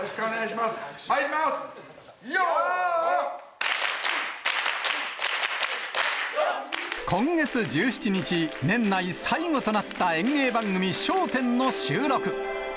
まいります、今月１７日、年内最後となった、演芸番組、笑点の収録。